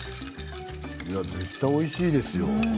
絶対おいしいですよ。